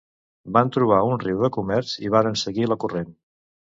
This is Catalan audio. Van trobar un riu de comerç, i varen seguir la corrent.